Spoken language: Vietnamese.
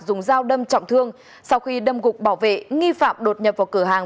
dùng dao đâm trọng thương sau khi đâm gục bảo vệ nghi phạm đột nhập vào cửa hàng